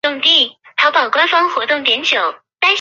北卡罗来纳大学第一家开班并招收研究生的公立大学。